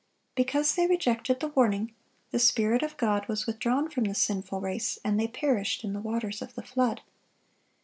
Because they rejected the warning, the Spirit of God was withdrawn from the sinful race, and they perished in the waters of the flood.